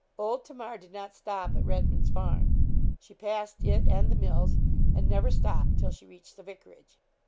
Old Tamar did not stop at Redman's Farm; she passed it and the mills, and never stopped till she reached the Vicarage.